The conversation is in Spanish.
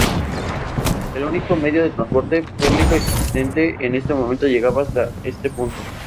El único medio de transporte público existente en ese momento llegaba hasta este punto.